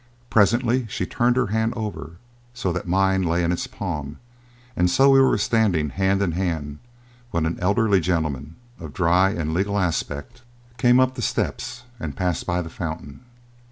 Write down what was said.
Presently she turned her hand over so that mine lay in its palm; and so we were standing hand in hand when an elderly gentleman, of dry and legal aspect, came up the steps and passed by the fountain.